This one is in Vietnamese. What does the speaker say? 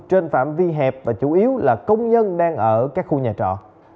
trên phạm vi hẹp và chủ yếu là công nhân đang ở các khu nhà trọ